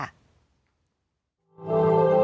อ่า